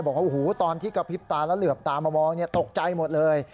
บอกว่าโอ้โหตอนที่กระพริบตาแล้วเหลือบตามามองตกใจหมดเลย